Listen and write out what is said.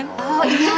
terima kasih banyak